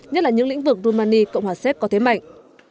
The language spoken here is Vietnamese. nhất là những lĩnh vực rumani cộng hòa séc có thế mạnh